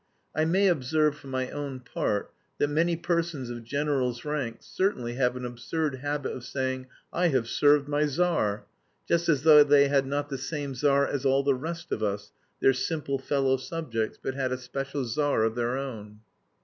I may observe, for my own part, that many persons of general's rank certainly have an absurd habit of saying, "I have served my Tsar"...just as though they had not the same Tsar as all the rest of us, their simple fellow subjects, but had a special Tsar of their own.